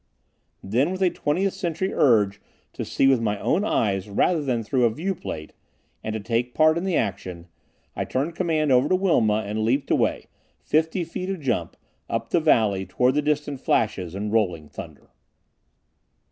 Then, with a Twentieth Century urge to see with my own eyes rather than through a viewplate, and to take part in the action, I turned command over to Wilma and leaped away, fifty feet a jump, up the valley, toward the distant flashes and rolling thunder.